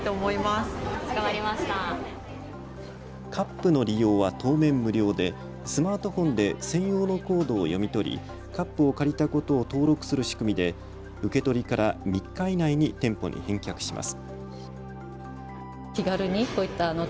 カップの利用は当面、無料でスマートフォンで専用のコードを読み取り、カップを借りたことを登録する仕組みで受け取りから３日以内に店舗に返却します。